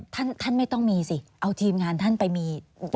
ท่านท่านไม่ต้องมีสิเอาทีมงานท่านไปมี